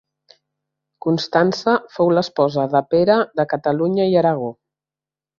Constança fou l'esposa de Pere de Catalunya i Aragó.